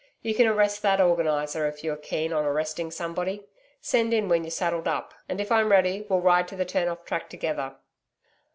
You can arrest that Organiser if you are keen on arresting somebody. Send in when you're saddled up, and if I'm ready we'll ride to the turn off track together.'